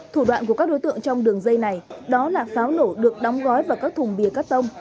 thủ đoạn của các đối tượng trong đường dây này đó là pháo nổ được đóng gói vào các thùng bìa cắt tông